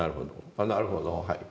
あなるほどはい。